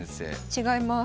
違います。